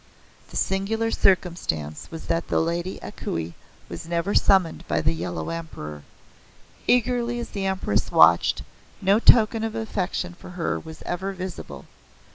The singular circumstance was that the Lady A Kuei was never summoned by the Yellow Emperor. Eagerly as the Empress watched, no token of affection for her was ever visible.